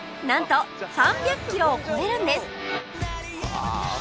なんと３００キロを超えるんです